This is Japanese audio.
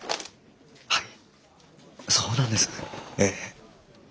はいそうなんですええ。